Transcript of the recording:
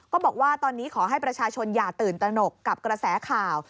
ก็บอกว่าตอนนี้ขอให้ประชาชนอย่าตื่นตนกกับกระแสข่าว